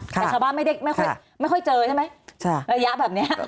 แต่ชาวบ้านไม่ได้ไม่ค่อยเจอใช่ไหมระยะแบบนี้